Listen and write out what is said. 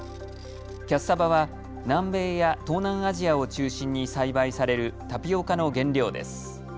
キャッサバは南米や東南アジアを中心に栽培されるタピオカの原料です。